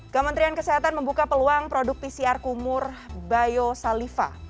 kementerian kesehatan membuka peluang produk pcr kumur biosaliva